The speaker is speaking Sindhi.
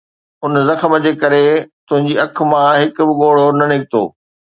ان زخم جي ڪري تنهنجي اک مان هڪ به ڳوڙهو نه نڪتو